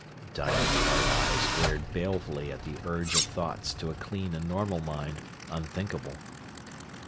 Diamond hard eyes glared balefully at the urge of thoughts to a clean and normal mind unthinkable.